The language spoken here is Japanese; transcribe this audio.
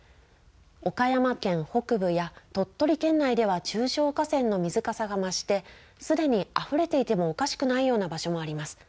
岡山県北部や鳥取県内では中小河川の水かさが増して、すでにあふれていてもおかしくないような場所もあります。